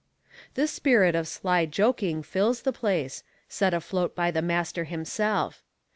This spirit of sly joking fills the place, set afloat by the master himself.